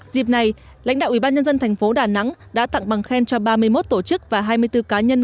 dịp này lãnh đạo ủy ban nhân dân thành phố đà nẵng đã tặng bằng khen cho ba mươi một tổ chức và hai mươi bốn cá nhân